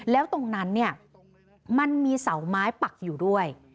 แล้วตรงนั้นเนี่ยมันมีเสาไม้ปักอยู่ด้วย